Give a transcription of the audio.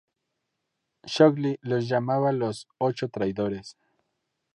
Shockley los llamaba los "ocho traidores".